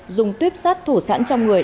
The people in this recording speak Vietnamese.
dùng tuyếp sát thủ sẵn trong người